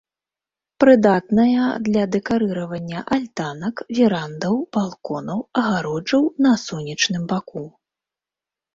Прыдатная для дэкарыравання альтанак, верандаў, балконаў, агароджаў на сонечным баку.